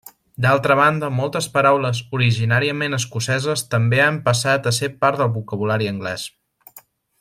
D'altra banda, moltes paraules originàriament escoceses també han passat a ser part del vocabulari anglès.